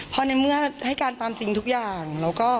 พอในเมื่อให้การตามจริงทุกอย่าง